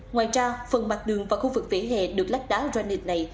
ngoài ra phần mặt đường và khu vực phía hẹ được lách đá granite này